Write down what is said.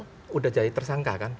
sudah jadi tersangka kan